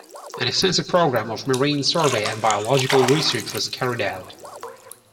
An extensive programme of marine survey and biological research was carried out.